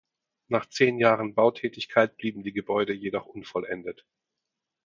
Nach zehn Jahren Bautätigkeit blieben die Gebäude jedoch unvollendet.